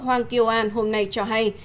hoàng kiều an hôm nay cho hay